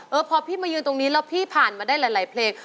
พอพี่มายืนตรงนี้แล้วพี่ผ่านมาได้หลายเพลง